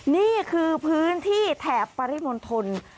นี่คือพื้นที่แถบปริมณฑล